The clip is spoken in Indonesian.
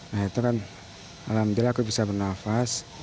nah itu kan alhamdulillah aku bisa bernafas